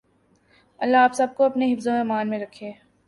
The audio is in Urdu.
اللہ آپ سب کو اپنے حفظ و ایمان میں رکھے۔